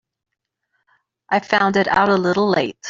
I found it out a little late.